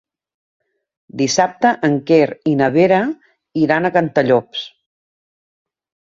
Dissabte en Quer i na Vera iran a Cantallops.